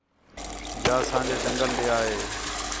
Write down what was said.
جا اسانجے جنگل ݙے آ ہِے